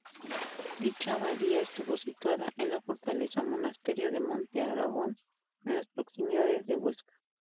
Dicha Abadía estuvo situada en la Fortaleza-monasterio de Montearagón, en las proximidades de Huesca.